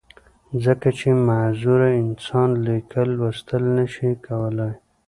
ځکه چې معذوره انسان ليکل، لوستل نۀ شي کولی